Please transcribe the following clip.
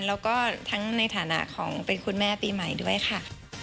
แล้วก็ทั้งในฐานะของเป็นคุณแม่ปีใหม่ด้วยค่ะ